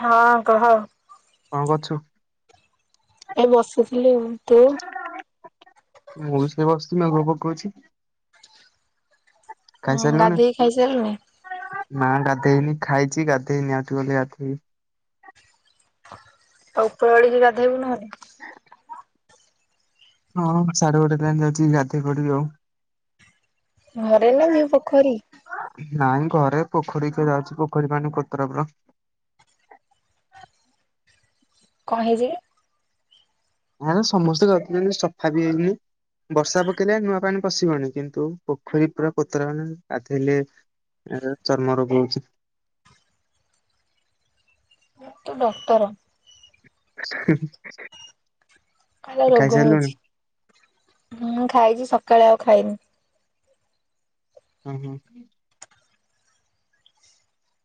ହଁ କହ? କଣ କରୁଛୁ? ଏ ବସିଥିଲି ଆଉ। ତୁ? ମୁଁ ବି ସେ ବସୁଛି। ମେଘ ପକଉଛି। ହଁ ଖାଇସାରିଲୁଣି? ଗାଧୋଇକି ଖାଇସାରିଲୁଣି? ନା ଗାଧେଇନି। ଖାଇଛି ଗାଧେଇନି ଆଠ ଗଲେ ଗାଧେଇବି। ଆଉ ଉପରବେଳି କି ଗାଧୋଇବୁ ନହଲେ। [unintelligible] ହଁ ସାଢେ ଗୋଟେ ଲଣି ଯାଉଛି ଗାଧୋଇ ପଡିବି ଆଉ। ଘରେ ନା ନିଊ ପୋଖରୀ। ନାଇଁ ଘରେ। ପୋଖରୀ କିଏ ଯାଉଛି? ପୋଖରୀ ପାଣି କୋତୋରା ପୂରା ‌। କଣ ହେଇଛି ଯେ? ନା ସମସ୍ତେକରି ସଫା ବି ହେଇନି। ବର୍ଷା ପକେଇଲେ ନୂଆ ପାଣି ପଶିବନି କିନ୍ତୁ ପୋଖରୀ ପୁରା କତୋରା ହେଲା ଣି ଗାଧଇଲେ ଏ ଚର୍ମ ରୋଗ ହଉଛି। ତୁ ଡକ୍ଟର। [unintelligible] ଖା ରୋଗ ଖାଇସାରିଲୁଣି? ହଉଛିଁ ଖାଇଛି ସକାଳେ ଆଉ ଖାଇନି। ହଁ ହଁ।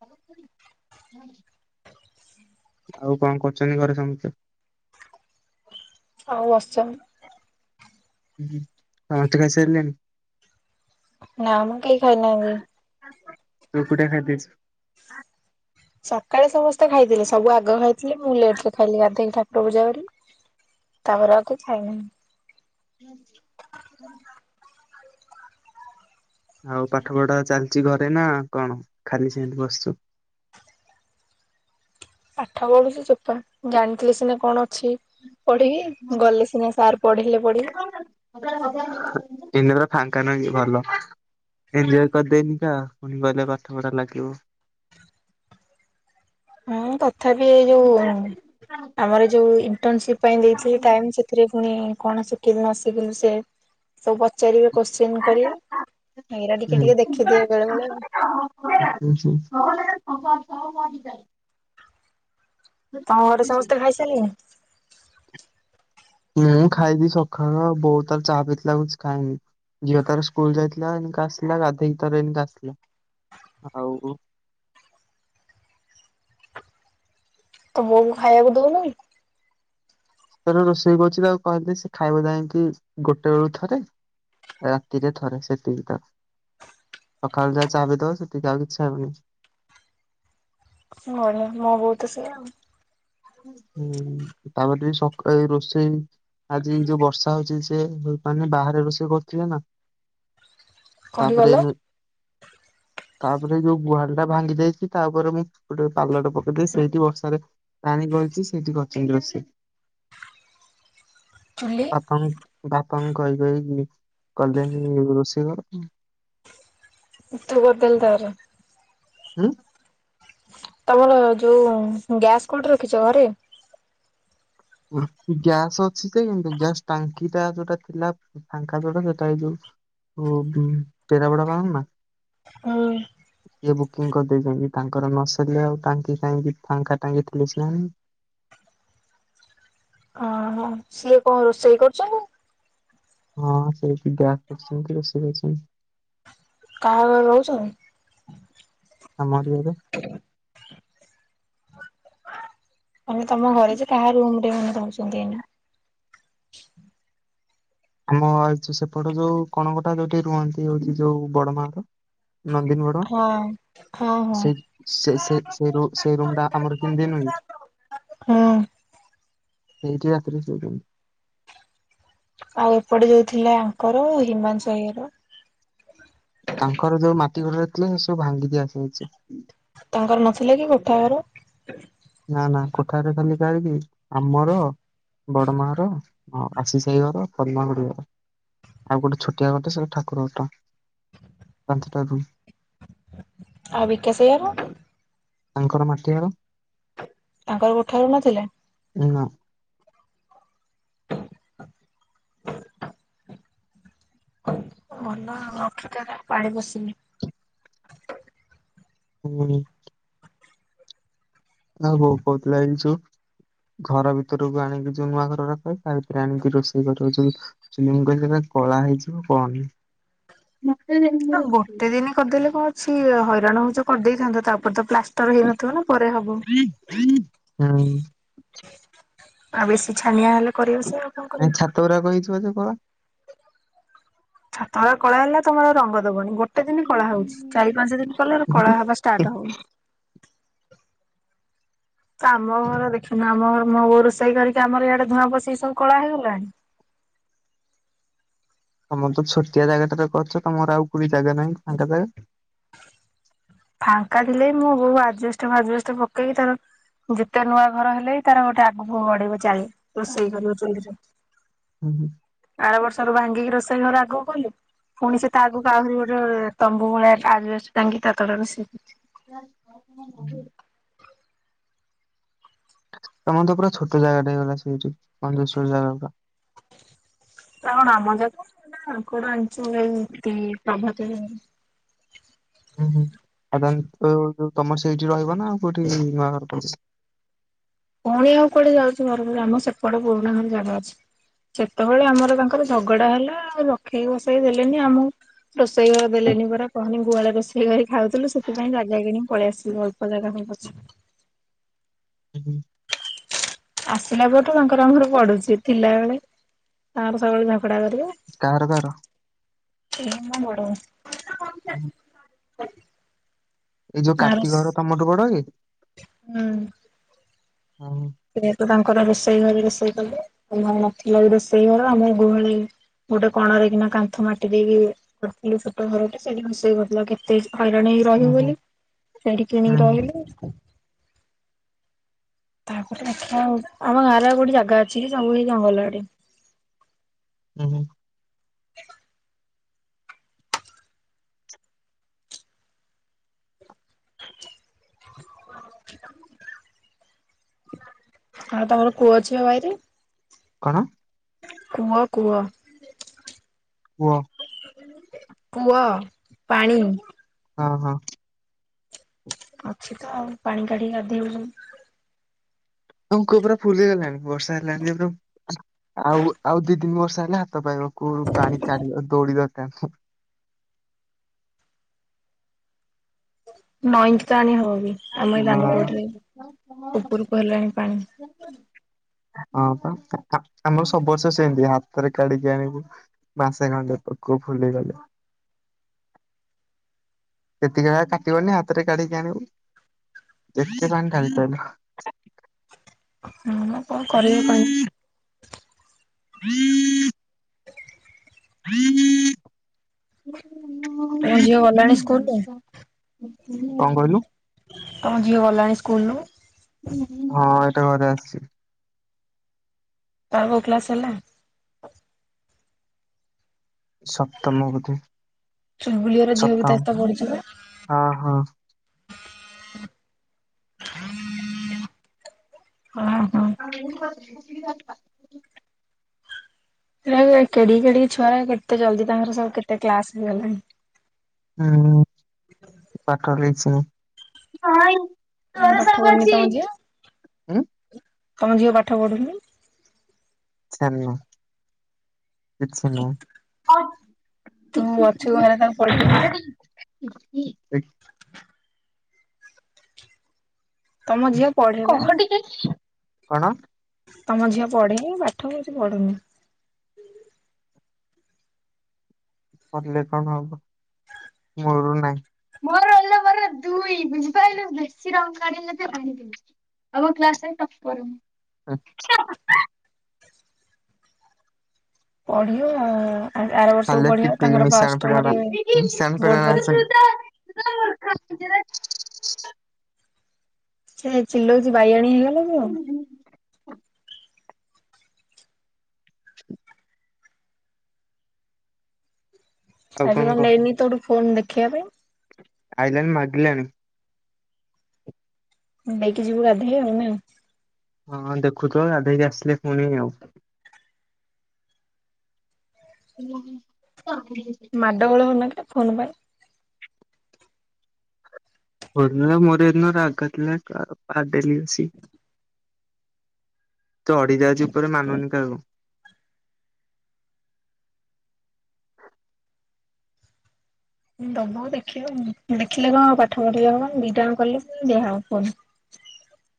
ହ ହୁଁ। ଆଉ କଣ କରୁଛନ୍ତି ଘରେ ସମସ୍ତେ? ଆଉ ବସିଛନ୍ତି। ହୁଁ ସମସ୍ତେ ଖାଇ ସାରିଲେଣି। ନା ମଁ କେହି ଖାଇନାହାନ୍ତି। [unintelligible] ସକାଳେ ସମସ୍ତେ ଖାଇଥିଲେ ସବୁ ଆଗ ଖାଇଥିଲେ ମୁଁ ଲେଟ ରେ ଖାଇଲି ଗାଧୋଇକି ଠାକୁର ପୂଜା କରି। ତାପରେ ଆଉ କିଛି ଖାଇନାହିଁ। ହୁଁ ହୁଁ। ଆଉ ପାଠ ପଢା ଚାଲିଛି ଘରେ ନା କଣ ଖାଲି ସେମିତି ବସିଛୁ? ପାଠ ପଢୁଛି ଚୋପା ଜାଣିଥିଲେ ସିନା କଣ ଅଛି? ପଢିବି ଗଲେ ସିନା ସାର୍ ପଢିଲେ ପଢିବି। ଦିନରେ ଫାଙ୍କା ନହେଇଛି ଭଲ। ଏନ୍ଜୟ କରିଦେନି ତ ପୁଣି ଗହିଲେ ପାଠ ପଢା ଲାଗିବ। ହଁ ତଥାପି ଏଇ ଯୋଉ ଆମର ଯୋଉ ଇଣ୍ଟସିପ ପାଇଁ ଦେଇଥିଲ ଟାଇମ ସେଥିରେ ପୁଣି କଣ ଶିଖିବି ନ ଶିଖିଲୁ ସେ ସବୁ ପଚାରିବେ କୋଶ୍ଚିନ୍ କରିଏ ଏଇରା ଟିକେ ହୁଁ। ଟିକେ ଦେଖିଦିଏ ବେଳେ ବେଳେ ଆଉ। [inaudible] ତମ ଘରେ ସମସ୍ତେ ଖାଇସାରିଲେଣି। ମୁଁ ଖାଇବି ସଖାଳ ବୋଉ ତର ଚା ପିଥିଲା କିଛି ଖାଇନି। ଝିଅ ତାର ସ୍କୁଲ ଯାଇଥିଲା ଏନକା ଆସିଲା ଗାଧେଇ ତାର ଏନ ଆସିଲା ଆଉ ତ ବୋଉ କୁ ଖାଇବାକୁ ଦଉନୁ? ତ ରୋଷେଇ କହୁଛି ତାଉ କହିଲି ସେ ଖାଇବା ଯାଇକି ଗୋଟେ ବେଳୁ ଥରେ। ରାତିରେ ଥରେ ସେତିକିଟା। ସକାଳୁ ଯାହା ଚାହାବି ତ ସେଠିକି ଆଉ କିଛି ହେବନି। [unintelligible] ହୁଁ ତାପରେ ଟିକେ ସକାଳେ ବି ରୋଷେଇ। ଆଜି ଯୋଉ ବର୍ଷା ହଉଛି ସେ ହେପାରୁନି ବାହାରେ ର ସେ କରିଥିଲେ ନା କୋଉଠି ତାପରେ ଗଲ ତାପରେ ଯୋଉ ଗୁହାଳି ଟା ଭାଙ୍ଗି ଯାଇଛି ତାପରେ ମୁଁ ଗୋଟେ ପାଲଟା ପକେଇଦେଇ ସେଇଠି ବର୍ଷାରେ ରାଣୀ ଗଛି ସେଇଠିକି ଅଛନ୍ତି ର ସେ ଚୁ୍ଲି ଆପଣଙ୍କ ବାପାଙ୍କୁ କହି କହିକି କଲେନି ରୋଷେଇ ଘର। [unintelligible] ହୁଁ। ତମର ଯୋଉ ଗ୍ୟାସ୍ କୋଉଠି ରଖିଛ ଘରେ? ଗ୍ୟାସ ଅଛି ଯେ କିନ୍ତୁ ଗ୍ୟାସ୍ ଟାଙ୍କି ଟା ଯୋଉଟା ଥିଲା ଫାଙ୍କା ଯୋଉଟା ସେଟା ଏଇ ଯୋଉ ପେରା ବଡା ପା ନା ହଁ ଇଏ ବୁକିଂ କରିଦେଇଛନ୍ତି ତାଙ୍କର ନସରିଲଲେ ଆଉ ଟାଙ୍କି ଫାଙ୍କି ଫାଙ୍କା ଟାଙ୍କି ଥିଲେ ସ ଓ ହଁ ସିଏ କଣ ରୋଷେଇ କରୁଛନ୍ତି? ହଁ ସେଠି ଗ୍ୟାସ୍ କରୁଛନ୍ତି ରୋଷେଇ ଅଛନ୍ତି। କାହାଘରେ ରହୁଛନ୍ତି? ଆମ ଏରିଆରେ। [inaudible] ମାନେ ତମ ଘରେ ଯେ କାହା ରୁମ ରେ ମାନେ ଧଉଛନ୍ତି ଦେଇନି। ଆମ ସେପଟ ଯୋଉ କଣକୋଟା ଯୋଉଠି ରୁହନ୍ତି ହଉଛି ଯୋଉ ବଡ ମାର ନନ୍ଦୀନ ଗଡ ହଁ। ହଁ ହଁ ସେ ସେ ସେ ସେଇ ରୁମ ଟା ଆମର କେମିତି ନୁହେଁ କି। ହୁଁ ସେଇଠି ରାତିରେ ଶଉଛନ୍ତି। ଆଉ ଏପଟେ ଯୋଉ ଥିଲା ଆଙ୍କର ହିମାଂଶୁ ଭାଇ ଘର। ତାଙ୍କର ଯୋଉ ମାଟି ଘରରା ଥିଲା ସେ ସବୁ ଭାଙ୍ଗି ଦିଆ ଯାଇଛି। ତାଙ୍କର ନଥିଲା କି କୋଠାଘର। ନା ନା କୋଠାଘର ଖାଲି କାହାରି କି ଆମର ବଡମା ଘର ଆଉ ଆସିସ ଭାଇଘର ପଦ୍ମାଖୁଡି ଘର। ଆଉ ଗୋଟେ ଛୋଟିଆ ଘରଟା ସେଟା ଠାକୁର ଘରଟା ପାଞ୍ଚଟା ରୁମ୍। ଆଉ ବିକାଶ ଭାଈଘର। ତାଙ୍କର ମାଟିଘର। ତାଙ୍କର କୋଠାଘର ନଥିଲା। ଉ ନା [inaudible] ଭଲ ଆଠିକ ପାଣି ବସିଲି। ହୁଁ ହଁ ହୋଉ ବହୁତ ଲାଗଛୁ। ଘର ଭିତରକୁ ଆଣିକି ଯୋଉ ନୂଆ ଘର ରଖ ତା ଭିତରେ ଆଣିକି ରୋଷେଇ କରି ଦୋଉଛନ୍ତି। ଫିଲମ କହିଲା କଳା ହେଇଯିବ କଣ। ମତେ ଗୋଟେ ଦିନ କରିଦେଲେ କଣ ଅଛି ହଇରାଣ ହଉଛ କରିଦେଇଥାନ୍ତ ତାପରେ ତ ପ୍ଲାଷ୍ଟ ତାର ହେଇନଥିବ ନା ପରେ ହବ। ଆଉ ବେଶୀ ଛାନିଆ ହେଲେ କରିବ ସେ ଆଉ। କଣ ନାଇ କରିବ। ଛାତ ପୁରା କହିଥିବ ଯେ କଣ ଛା ତଳେ କଳା ହେଲା ତମର ରଙ୍ଗ ଦବନି ଗୋଟେ ଦିନ କଳା ହଉଛି। ଚାରି ପାଞ୍ଚ ଦିନ କଲେ କଳା ହବା ଷ୍ଟାର୍ଟ ହବ। ତ ଆମ ଘର ଦେଖୁିନୁ ଆମ ଘର ମୋ ବୋଉ ରୋଷେଇ କରିକି ଆମରଇଆଡେ ଧୂଆଁ ପସେଇି ସବୁ କଳା ହେଇଗଲାଣି। ତମର ତ ଛୋଟିଆ ଜାଗାଟାରେ କରିଛ ତମର ଆଉ କୋଉଠି ଜାଗା ନାହିଁ ଫାଙ୍କା ଜାଗା। ଫାଙ୍କା ଥିଲେ ମୁଁ ବୋଉ ଆଜଷ୍ଟ ଫାଜଷ୍ଟ ପକେଇକି ତାର ଯେତେ ନୂଆ ଘର ହେଲେ ତାର ଗୋଟେ ଆଗକୁ ବଢିବ ଚାଲି। ରୋଷେଇ କରିବ ଚୁଲିରେ। ହୁଁ ଆର ବର୍ଷରୁ ଭାଙ୍ଗିକି ରୋଷେଇ ଘର ଆଗକୁ କଲି ପୁଣି ସେ ତା ଆଗକୁ ଆହୁରି ଗୋଟେ ତମ୍ବୁ ଭଳିଆ ଆଜବେଷ୍ଟ ଟାଙ୍ଗି ତା ତଳେ ରୋଷେଇ କରୁଚି। [inaudible] ତମର ତ ପୁରା ଛୋଟ ଜାଗାଟା ହେଇଗଲା ସେଇଠି କଞେଶଵର ଜାଗା ପୁରା। କଣ ଆମ ଜାଗା ତାଙ୍କର ଆଣିଛନ୍ତି ଏ ପ୍ରଭାତ ଭାଇଘର। ହୁଁ ହୁଁ ସାଧାରଣ ଯୋଉ ତମର ସେଇଠି ରହିବ ନା ଆଉ କୋଉଠି ନୂଆ ଘର କରିବ। ପୁଣି ଆଉ କୁଆଡେ ଯାଉଛି ଘରଫର ଆମ ସେପଟେ ପୁରୁଣା ଘରେ ଜାଗା ଅଛି। ସେତେବେଳେ ଆମର ତାଙ୍କର ଝଗଡା ହେଲା ଆଉ ରଖେଇ ବସେଇ ଦେଲେନି ଆମକୁ। ରୋଷେଇ ଘର ଦେଲେନି ପରା କହନି ଗୁଆଳେ ରୋଷେଇ କରି ଖାଉଥିଲୁ, ସେଥିପାଇଁ ଜାଗା କିଣି ପଳେଇ ଆସିଲୁ। ଅଳ୍ପ ଯାଗା ହୋଉ ପଛେ। ହୁଁ ଉଁ ଆସିଲା ପରଠୁ ତାଙ୍କର ଆମର ବଢୁଛି, ଥିଲା ବେଳେ ତାଙ୍କର ସବୁବେଳେ ଝଗଡା କରିବେ। କାହାର କାହାର? ଏଇ ମୋ ବଡ଼ବୋଉ। [inaudible] ଏଇ ଯୋଉ ଆର କାର୍ତ୍ତିକ ଘର ତମଠୁ ବଡ଼ କି? ହୁଁ। ଓ ଯେହେତୁ ତାଙ୍କର ରୋଷେଇ ଘର ରୋଷେଇ କଲେ, ତମର ନଥିଲା ବି ରୋଷେଇ ଘର ଆମର ଗୁହାଳେ ଗୋଟେ କଣରେ କିନା କାନ୍ଥ ମାଟି ଦେଇକି କରିଥିଲୁ ଛୋଟ ଘରଟେ, ସେଇଠି ରୋଷେଇ କରୁଥିଲୁ କେତେ ହଇରାଣ ହୁଁ ରହିବୁ ହୁଁ ବୋଲି, ସେଇଠି କିଣିକି ହୁଁ ରହିଲୁ। ତାପରେ ଦେଖିବା, ଆମ ଗାଁରେ ଗୋଟେ ଜାଗା ଅଛି ସବୁ ଏଇ ଜଙ୍ଗଲ ଆଡ଼େ। ହୁଁ [inaudible] [unintelligible] ଆଉ ତମର କୂଅ ଅଛି ବାଇରେ? କଣ? କୁଅ, କୁଅ। କୁଅ। କୂଅ ପାଣି। ହଁ ହଁ। ଅଛି ତ ଆଉ ପାଣି କାଢ଼ି ଗାଧେଇବୁ। ଆଉ କୂଅ ପୁରା ଫୁଲ ହେଇଗଲାଣି ବର୍ଷା ହେଲାଣି ଆଉ ଆଉ ଦି ତିନି ବର୍ଷ ହେଲା ହାତ ପାଇବ କୂଅ ରୁ ପାଣି କାଢ଼ିବା ଆଉ ଦୌଡି ଦରକାର ନଅ ଇଞ୍ଚ ତ ଆଣି ହବ ବି ହଁ ଆମ ଏଇ ଦାଣ୍ଡ କୂଅଠାରେ ଉପରକୁ ହେଲାଣି ପାଣି। [inaudible] ହଁ ତ ଆମର ସବୁ ବର୍ଷ ସେମିତି, ହାତରେ କାଢିକି ଆଣିବୁ। ମାସେ ଖଣ୍ଡେ କୂଅ ଫୁଲ ହେଇଗଲେ। ସେତିକି କାଟିବନି, ହାତରେ କାଢ଼ିକି ଆଣିବୁ, ଯେତେ ପାଣି ଢ଼ାଳି ପାରିଲ। ହଁଁ କଣ କରିବା ପାଣି? [inaudible] [inaudible] ତମ ଝିଅ ଗଲାଣି ସ୍କୁଲରୁ କଣ କହିଲୁ? ତମ ଝିଅ ଗଲାଣି ସ୍କୁଲକୁ? ହଁ ଏଇଟା ଘରେ ଆସିଛି। ତାର କୋଉ କ୍ଲାସ ହେଲା? ସପ୍ତମ ବୋଧେ ଚୁଲବୁଲିର ଝିଅ ବି ସପ୍ତମ ସହ ପଢୁଛି ପରା? ହଁ ହଁ। ହଁ ହ। ଆମ [unintelligible] କେଡ଼ିଗି କେଡ଼ିଗି ଛୁଆଗୁରା, କେତେ ଜଲ୍ଦି ତାଙ୍କର ସବୁ କେତେ କ୍ଲାସ ହେଇଗଲାଣି। ହୁଁ ଉଁ, ପାଠ ରିସ୍କ ନାହିଁ। ହଁ ପାଠ ପଢୁନି ତମ ଝିଅ, ଉଁ ତମ ଝିଅ ପାଠ ପଢୁନି? [unintelligible] କିଛି ନୁହଁ। ତୁ ଅଛୁ ଘରେ ତାକୁ ପଢେଇବୁନୁ। [unintelligible] ତମ ଝିଅ ପଢେ ବା କହ ଟିକେ କଣ? ତମ ଝିଅ ପଢ଼ିନି ପାଠ କିଛି ପଢୁନି। ପଢ଼ିଲେ କଣ ହବ ମୁଲୁରୁ ନାହିଁ। ମୋର ରୋଲ୍ ନମ୍ବର ଦୁଇ ବୁଝିପାରିଲୁ ବେଶୀ ରଙ୍ଗ କାଢ଼ିଲେ ହାଣି ଆମ କ୍ଲାସ୍ ରେ ଟପର ମୁଁ। ପଢ଼ିବ ଆଉ। ଖାଲି ଟିପିକି ମିଶାଣ ଫେଡ଼ାଣ ମିଶାଣ ବୋର୍ଡ ଫେଡ଼ାଣ ପରୀକ୍ଷା। ଆସୁ [unintelligible] ସେ ଚିଲଉଚି ବାଇଆଣୀ ହେଇଗଲା କି ଆଉ? ଆଉ ଆଜି କଣ କହ ନେଇନି ତୋଠୁ ଫୋନ ଦେଖିବା ପାଇଁ। ଆଇଲାଣି ମାଗିଲାଣି। ନେଇକି ଯିବୁ ଗାଧେଇ ଆଉ ନା। ହଁ ଦେଖୁଥିଲା ଗାଧୋଇକି ଆସିଲେ ପୁଣି ଆଉ [unintelligible] ମାଡ଼ ଗୋଳ ହଉନ କିରେ ଫୋନ୍ ପାଇଁ। [unintelligible] ମୋର ହେଦିନ ରାଗ ଚିଡ଼ିଲା [unintelligible] [unintelligible] ଯାଉଛି ଉପରେ ମାନୁନି କାହାକୁ। ଦବ ଦେଖିବ ଦେଖିଲେ କଣ ହେବ ପାଠ ପଢ଼ିଲେ ହବ ଦିଟା ଆଙ୍କ କଲେ ଦିଆହବ ଫୋନ୍।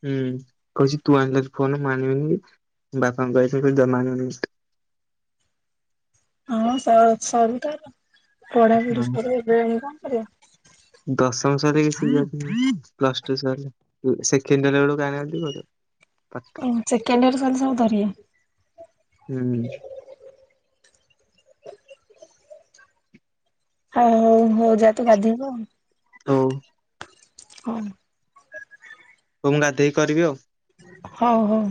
ହୁଁ କହୁଛି ତୁ ଆଣିଲେ ଫୋନ ମୁଁ ଆଣିବିନି କି ବାପାଙ୍କୁ କହିଚି ଜମା ଆଣିବନି। ହଁ ସ ସରୁ ତାର ପଢ଼ାପଢ଼ି ହଁ ସରୁ ଏବେ ଆଣିକି କଣ କରିବ। ଦଶମ ସରିକି ପ୍ଲସ ଟୁ ସରି ସେକେଣ୍ଡିଅର ବେଳକୁ [unintelligible] ସେକେଣ୍ଡିୟର ସରୁ ତାହାଲେ ଧରିବେ। ହୁଁ ହୁଁ। ଆ ହଉ ହଉ ଯାଆ ତୁ ଗାଧେଇବୁ ଆଉ। ହଉ। ହଁ। ହଉ ମୁଁ ଗାଧେଇକି କରିବି ଆଉ। ହଉ ହଉ।